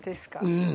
うん。